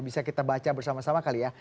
bisa kita baca bersama sama kali ya